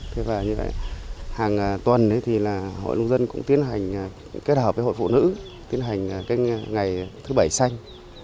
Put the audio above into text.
thế và như vậy hàng tuần thì là hội nông dân cũng tiến hành kết hợp với hội phụ nữ tiến hành cái ngày thứ bảy xanh